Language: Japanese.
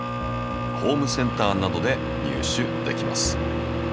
ホームセンターなどで入手できます。